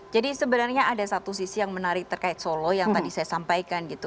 jadi sebenarnya ada satu sisi yang menarik terkait solo yang tadi saya sampaikan gitu